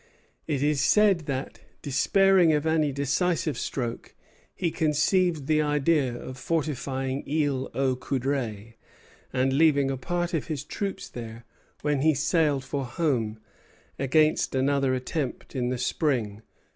It is said that, despairing of any decisive stroke, he conceived the idea of fortifying Isle aux Coudres, and leaving a part of his troops there when he sailed for home, against another attempt in the spring.